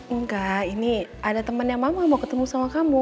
enggak ini ada temennya mama mau ketemu sama kamu